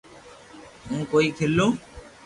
ھون ڪوئي کيلو